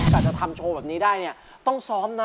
กลับจะทำโชว์แบบนี้ได้ต้องซ้อมนะ